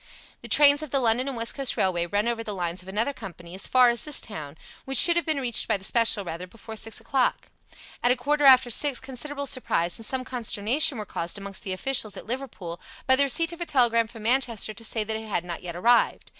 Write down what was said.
The trains of the London and West Coast Railway run over the lines of another company as far as this town, which should have been reached by the special rather before six o'clock. At a quarter after six considerable surprise and some consternation were caused amongst the officials at Liverpool by the receipt of a telegram from Manchester to say that it had not yet arrived.